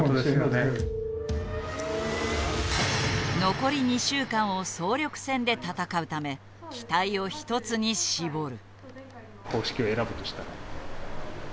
残り２週間を総力戦で戦うため機体を一つに絞る。